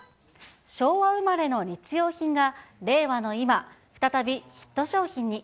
昭和生まれの日用品が、令和の今、再びヒット商品に。